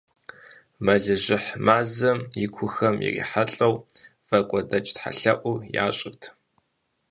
Мэлыжьыхь мазэм икухэм ирихьэлӀэу, вакӀуэдэкӀ тхьэлъэӀур ящӀырт.